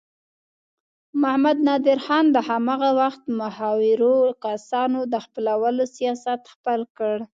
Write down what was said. محمد نادر خان د هماغه وخت مخورو کسانو د خپلولو سیاست خپل کړ.